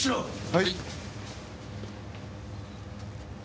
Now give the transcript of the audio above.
はい？